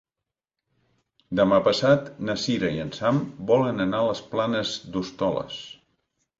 Demà passat na Sira i en Sam volen anar a les Planes d'Hostoles.